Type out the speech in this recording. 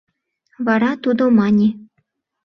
Вара тудо мане: